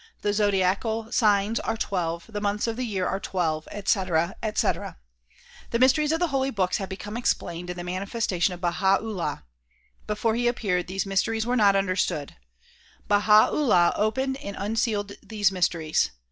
The zodiacal signs are twelve ; the months of the year are twelve, etc., etc. The mysteries of the holy books have become explained in the manifestation of Baha 'Ullah. Before he appeared these myste ries were not understood. Baha 'Ullah opened and unsealed these mysteries.